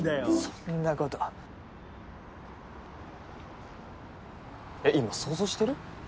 そんなことえっ今想像してる？